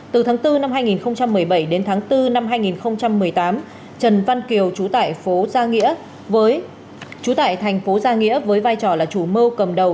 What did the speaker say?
từ tháng bốn năm hai nghìn một mươi bảy đến tháng bốn năm hai nghìn một mươi tám trần văn kiều trú tại tp gia nghĩa với vai trò là chủ mơ cầm đầu